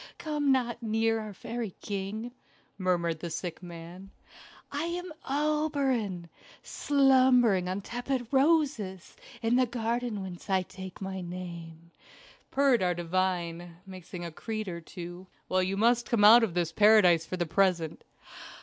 Come not near our fairy king," murmured the sick man. "I am Oberon, slumbering on tepid roses in the garden whence I take my name," purred our divine, mixing a creed or two. "Well, you must come out of this paradise for the present."